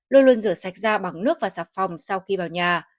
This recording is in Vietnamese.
luôn luôn rửa sạch ra bằng nước và sạp phòng sau khi vào nhà